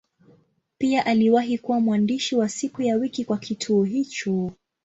Pia aliwahi kuwa mwandishi wa siku ya wiki kwa kituo hicho.